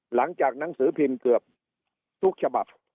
หลังจากหนังสือพิมพ์เกือบทุกฉบับ